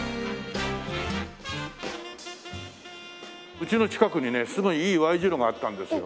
うちの近くにねすごいいいＹ字路があったんですよ。